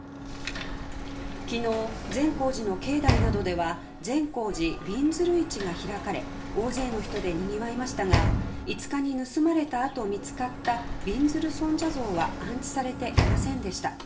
昨日、善光寺の境内などでは善光寺びんずる市が開かれ大勢の人でにぎわいましたが５日に盗まれたあと見つかったびんずる尊者像は安置されていませんでした。